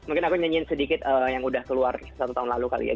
mungkin aku nyanyiin sedikit yang udah keluar satu tahun lalu kali ya